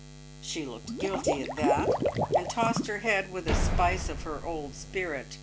She looked guilty at that, and tossed her head with a spice of her old spirit.